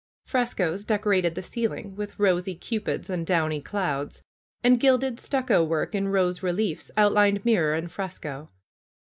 Frescoes decorated the ceiling with rosy Cupids and downy clouds. And gilded stucco work in rose reliefs outlined mirror and fresco.